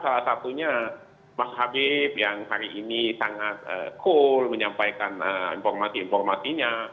salah satunya mas habib yang hari ini sangat cool menyampaikan informasi informasinya